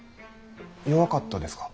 弱かったですか。